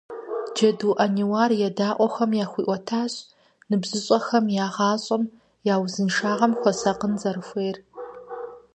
Джэду Ӏэниуар еджакӏуэхэм яхуиӀуэтащ ныбжьыщӀэхэм я гъащӀэм, я узыншагъэм хуэсакъын зэрыхуейр.